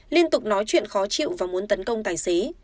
liên tục nói chuyện khó chịu và muốn tấn công tài xế